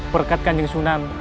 berkat kanjeng sunan